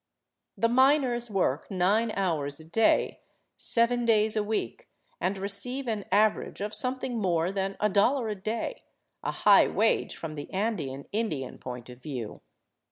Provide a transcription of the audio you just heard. The miners work nine hours a day, seven days a week, and re ceive an average of something more than a dollar a day — a high wage from the Andean Indian point of view.